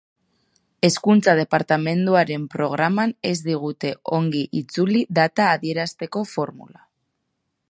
Hezkuntza Departamenduaren programan ez digute ongi itzuli data adierazteko formula.